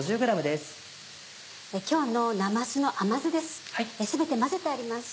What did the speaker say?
今日のなますの甘酢です